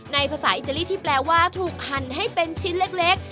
ภาษาอิตาลีที่แปลว่าถูกหั่นให้เป็นชิ้นเล็ก